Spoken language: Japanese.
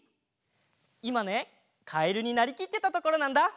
いまねかえるになりきってたところなんだ。